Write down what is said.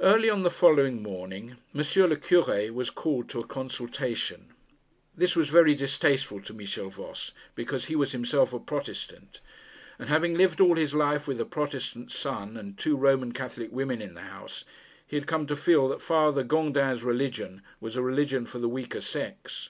Early on the following morning, M. le Cure was called to a consultation. This was very distasteful to Michel Voss, because he was himself a Protestant, and, having lived all his life with a Protestant son and two Roman Catholic women in the house, he had come to feel that Father Gondin's religion was a religion for the weaker sex.